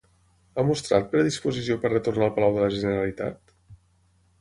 Ha mostrat predisposició per retornar al Palau de la Generalitat?